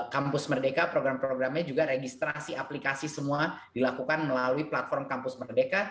kampus merdeka program programnya juga registrasi aplikasi semua dilakukan melalui platform kampus merdeka